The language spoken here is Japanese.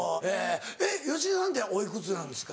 えっ芳根さんってお幾つなんですか？